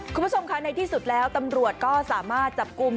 คุณผู้ชมค่ะในที่สุดแล้วตำรวจก็สามารถจับกลุ่ม